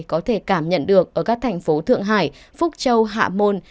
có thể cảm nhận được ở các thành phố thượng hải phúc châu hạ môn